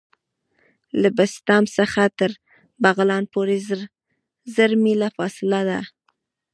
له بسطام څخه تر بغلان پوري زر میله فاصله ده.